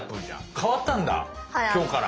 替わったんだ今日から。